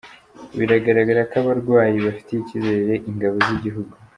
Biragaragara ko abarwayi bafitiye icyizere Ingabo z’igihugu.